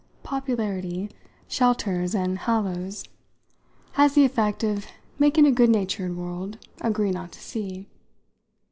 Popularity shelters and hallows has the effect of making a good natured world agree not to see."